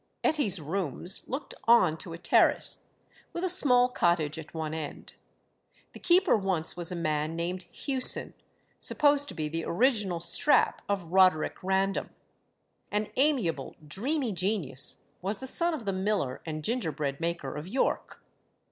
Etty's rooms looked on to a terrace, with a small cottage at one end; the keeper once was a man named Hewson, supposed to be the original Strap of Roderick Random. An amiable, dreamy genius was the son of the miller and gingerbread maker of York.